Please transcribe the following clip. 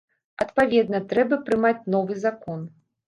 Адпаведна, трэба прымаць новы закон.